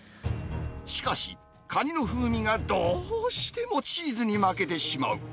しかし、カニの風味がどうしてもチーズに負けてしまう。